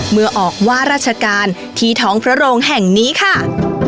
เมื่อออกว่าราชการที่ท้องพระโรงแห่งนี้ค่ะ